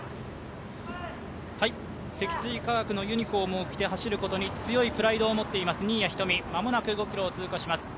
積水化学のユニフォームを着て走ることに強いプライドを持っています新谷仁美、間もなく５ｋｍを通過します。